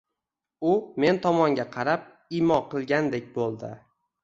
U men tomonga qarab imo qilgandek bo`ldi